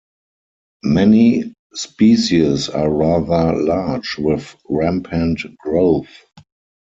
Many species are rather large with rampant growth.